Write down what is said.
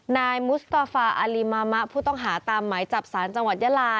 นายมุสตาฟาอารีมามะผู้ต้องหาตามหมายจับสารจังหวัดยาลา